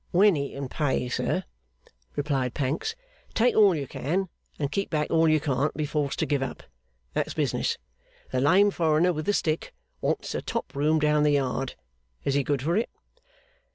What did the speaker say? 'When he can pay, sir,' replied Pancks. 'Take all you can get, and keep back all you can't be forced to give up. That's business. The lame foreigner with the stick wants a top room down the Yard. Is he good for it?